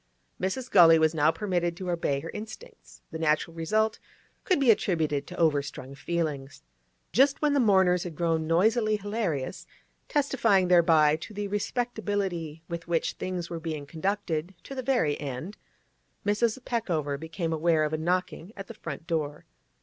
Mrs. Gully was now permitted to obey her instincts; the natural result could be attributed to overstrung feelings. Just when the mourners had grown noisily hilarious, testifying thereby to the respectability with which things were being conducted to the very end, Mrs. Peckover became aware of a knocking at the front door.